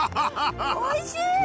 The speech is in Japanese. おいしい！